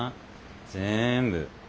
ぜんぶ